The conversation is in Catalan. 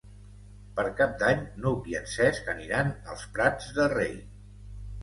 Per Cap d'Any n'Hug i en Cesc aniran als Prats de Rei.